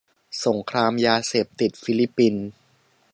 -สงครามยาเสพติด ฟิลิปปินส์